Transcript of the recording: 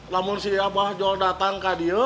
namun si abah johol datang ke dia